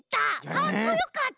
かっこよかった！